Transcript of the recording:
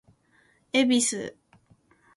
恵比寿